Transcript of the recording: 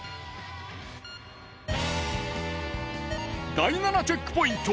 第７チェックポイント。